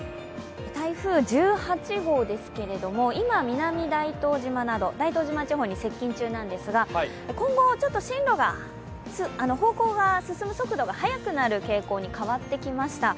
台風１８号ですけれども今、南大東島地方ですけれども今後、ちょっと進路が、方向が進む速度が速くなる傾向に変わってきました。